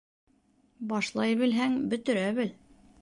Башлай белһәң, бөтөрә бел